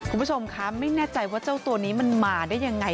คุณผู้ชมคะไม่แน่ใจว่าเจ้าตัวนี้มันมาได้ยังไง